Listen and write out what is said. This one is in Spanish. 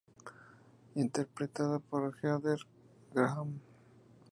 Interpretada por Heather Graham.